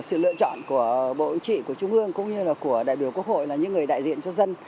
sự lựa chọn của bộ trị của trung ương cũng như là của đại biểu quốc hội là những người đại diện cho dân